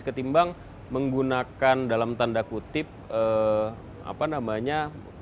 ketimbang menggunakan dalam tanda kutip apa namanya